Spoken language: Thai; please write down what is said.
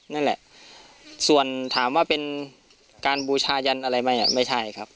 นั่นแหละส่วนถามว่าเป็นการบูชายันอะไรไหมไม่ใช่ครับ